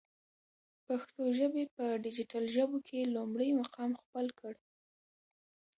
پښتو ژبی په ډيجيټل ژبو کی لمړی مقام خپل کړ.